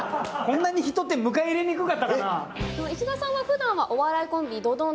こんなに人って迎え入れにくかったかなでも石田さんは普段はお笑いコンビドド